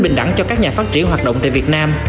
bình đẳng cho các nhà phát triển hoạt động tại việt nam